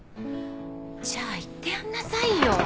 じゃあ言ってやんなさいよ。